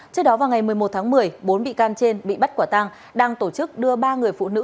trước đó vào ngày một mươi một tháng một mươi bốn bị can trên bị bắt quả tang đang tổ chức đưa ba người phụ nữ